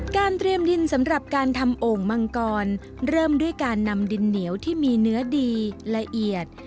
เตรียมดินสำหรับการทำโอ่งมังกรเริ่มด้วยการนำดินเหนียวที่มีเนื้อดีละเอียด